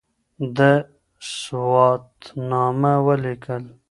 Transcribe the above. ده سواتنامه وليکل